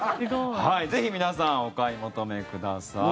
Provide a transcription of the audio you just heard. ぜひ皆さんお買い求めください。